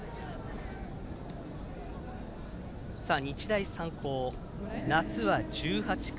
日大三高、夏は１８回。